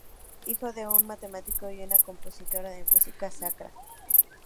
Hijo de un matemático y una compositora de música sacra.